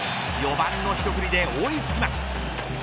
４番のひと振りで追い付きます。